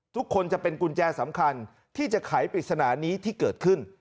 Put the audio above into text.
ทุกคนจะเป็นกุญแจสำคัญที่จะไขปริศนานี้ที่เกิดขึ้น